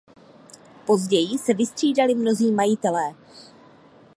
Později se vystřídali mnozí majitelé.